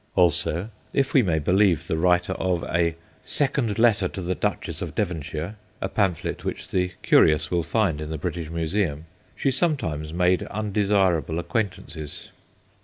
Also, if we may believe the writer of a Second Letter to the Duchess of Devonshire, a pam phlet which the curious will find in the British Museum, she sometimes made un desirable acquaintances.